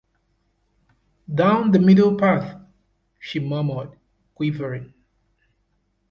“Down the middle path,” she murmured, quivering.